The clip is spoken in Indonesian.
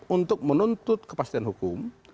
untuk menuntut kepastian hukum